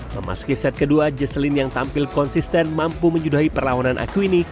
memasuki set kedua jaseline yang tampil konsisten mampu menyudahi perlawanan aku ini